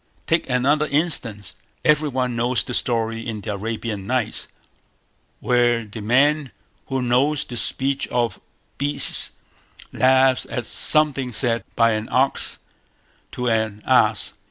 Take another instance. Every one knows the story in the Arabian Nights, where the man who knows the speech of beasts laughs at something said by an ox to an ass.